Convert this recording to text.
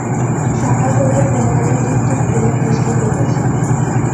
সকাল হইতে ক্রমাগত টিপ টিপ করিয়া বৃষ্টি হইতেছে।